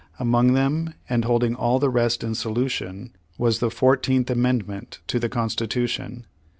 Among them, and holding all the rest in solution, was the Fourteenth Amendment to the Constitution.